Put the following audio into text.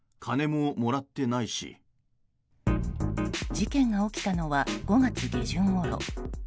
事件が起きたのは５月下旬ごろ。